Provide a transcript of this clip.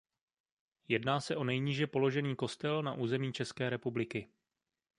Jedná se o nejníže položený kostel na území České republiky.